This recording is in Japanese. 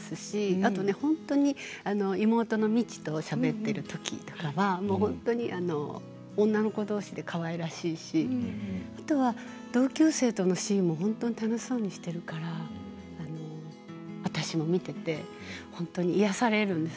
あとね、本当に妹の未知としゃべっているときは女の子どうしでかわいらしいしあとは同級生とのシーンも本当に楽しそうにしているから私も見ていて本当に癒やされるんです。